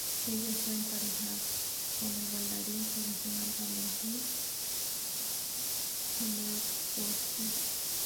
Ella fue emparejada con el bailarín profesional Valentin Chmerkovskiy.